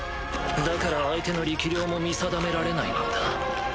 だから相手の力量も見定められないのだ。